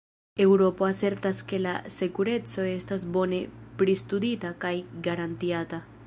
Eŭropo asertas ke la sekureco estas bone pristudita kaj garantiata.